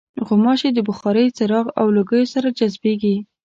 غوماشې د بخارۍ، څراغ او لوګیو سره جذبېږي.